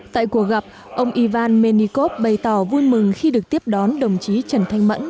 tại cuộc gặp ông ivan menikov bày tỏ vui mừng khi được tiếp đón đồng chí trần thanh mẫn